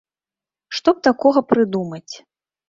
Што б такога прыдумаць?